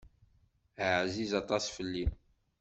Ɛziz aṭas fell-i.